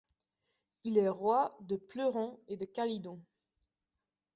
Il est roi de Pleuron et de Calydon.